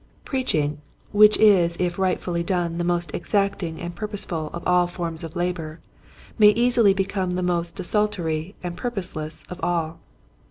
Preaching which is if rightly done the most exacting and purposeful of all forms of labor may easily become the most desultory and pur poseless of all.